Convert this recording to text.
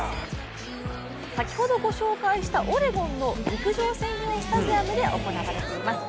先ほどご紹介したオレゴンの陸上専用スタジアムで行われています。